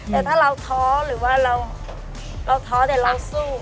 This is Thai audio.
แต่ถ้าเราท้อหรือว่าเราท้อแต่เราสู้